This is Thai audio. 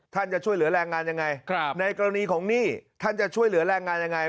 จะช่วยเหลือแรงงานยังไงในกรณีของหนี้ท่านจะช่วยเหลือแรงงานยังไง